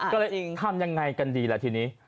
ก็เลยทำยังไงกันดีล่ะทีนี้